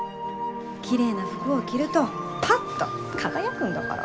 綺麗な服を着るとパッと輝くんだから。